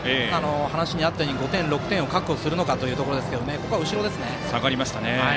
話にあったように５点、６点を確保するかですがここは後ろですね。